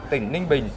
tỉnh ninh bình